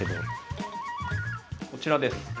こちらです。